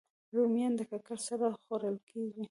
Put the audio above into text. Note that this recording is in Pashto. رومیان د ککرې سره خوړل کېږي